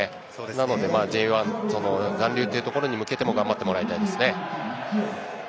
なのでＪ１残留というところに向けても頑張ってもらいたいですね。